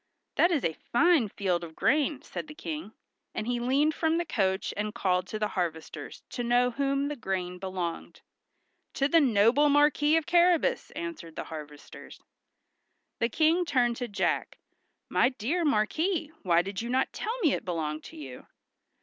"That is a fine field of grain," said the King; and he leaned from the coach and called to the harvesters to know to whom the grain belonged. "To the noble Marquis of Carrabas!" answered the harvesters. The King turned to Jack. "My dear Marquis, why did you not tell me it belonged to you?"